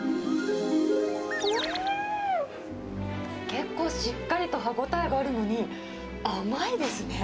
結構しっかりと歯応えがあるのに、甘いですね。